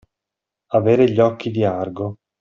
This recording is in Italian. Avere gli occhi di Argo.